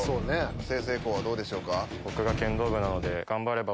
済々黌はどうでしょうか？